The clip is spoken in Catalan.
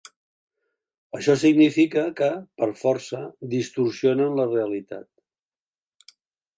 Això significa que, per força, distorsionen la realitat.